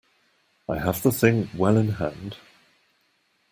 I have the thing well in hand.